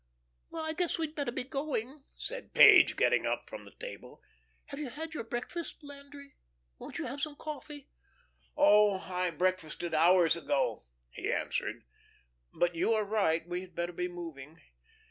"I guess, we'd better be going," said Page, getting up from the table. "Have you had your breakfast, Landry? Won't you have some coffee?" "Oh, I breakfasted hours ago," he answered. "But you are right. We had better be moving.